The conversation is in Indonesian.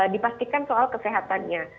dipastikan soal kesehatannya